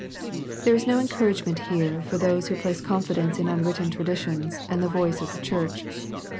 There is no encouragement here for those who place confidence in unwritten traditions, and the voice of the church.